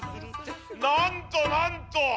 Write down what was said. なんとなんと！